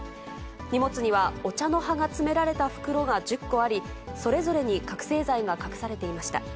荷物にはお茶の葉が詰められた袋が１０個あり、それぞれに覚醒剤が隠されていました。